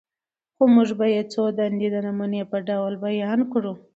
خو موږ به ئې څو دندي د نموني په ډول بيان کړو: